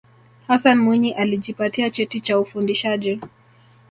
hassan mwinyi alijipatia cheti cha ufundishaji